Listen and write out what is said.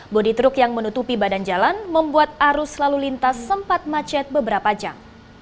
bodi truk yang menutupi badan jalan membuat arus lalu lintas sempat macet beberapa jam